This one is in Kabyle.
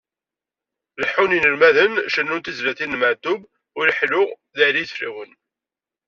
Leḥḥun yinelmaden cennun tizlatin n Meɛtub, Uleḥlu d Ɛli Ideflawen.